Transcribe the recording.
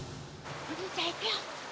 お兄ちゃんいくよ。